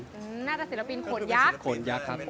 หน้าตาศิลปินโขนยักษ์